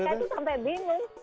mereka tuh sampai bingung